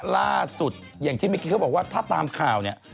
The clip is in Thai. ล่าสุดอย่างที่เมื่อกี้เขาบอกว่าถ้าตามข่าวเนี่ย